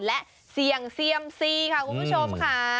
และเสี่ยงเซียมซีค่ะคุณผู้ชมค่ะ